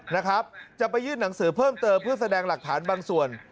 นะครับจะไปยื่นหนังสือเพิ่มเติมเพื่อแสดงหลักฐานบางส่วน